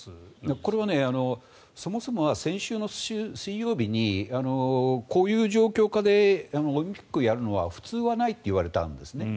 これはそもそもは先週の水曜日にこういう状況下でオリンピックやるのは普通はないと言われたんですね。